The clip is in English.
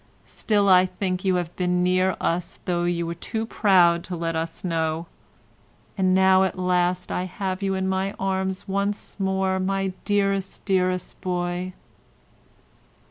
Still I think you have been near us though you were too proud to let us know—and now at last I have you in my arms once more, my dearest, dearest boy."